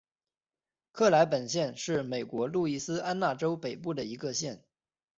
克莱本县是美国路易斯安那州北部的一个县。